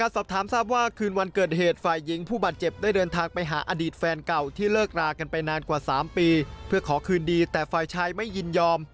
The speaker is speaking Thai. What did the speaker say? สามปีเพื่อขอคืนดีแต่ฝ่ายชายไม่ยินยอม